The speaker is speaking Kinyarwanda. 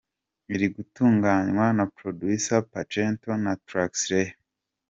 Iri gutunganywa na Producer Pacento na Trackslayer.